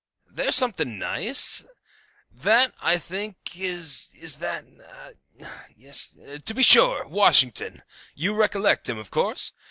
"There's something nice. That, I think is is that a a yes, to be sure, Washington; you recollect him, of course?